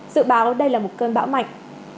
dự báo đây là một cơn bão mạnh